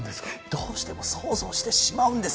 どうしても想像してしまうんですよ